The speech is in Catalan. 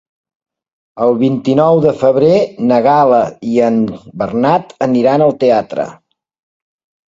El vint-i-nou de febrer na Gal·la i en Bernat aniran al teatre.